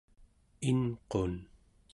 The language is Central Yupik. inqun